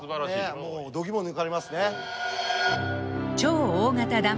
もうどぎも抜かれますね。